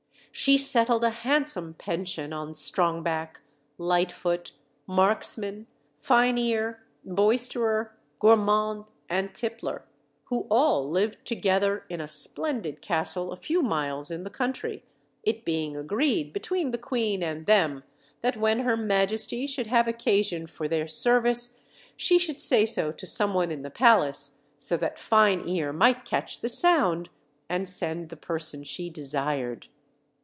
She settled a handsome pension on Strongback, Lightfoot, Marksman, Fine ear, Boisterer, Gormand, and Tippler, who all lived together in a splendid castle a few miles in the country, it being agreed between the queen and them that when her majesty should have occasion for their service she should say so to some one in the palace, so that Fine ear might catch the sound, and send the per son she desired.